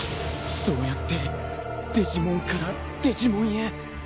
そうやってデジモンからデジモンへ。